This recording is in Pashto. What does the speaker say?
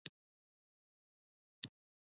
نو قلندر قادياني شو.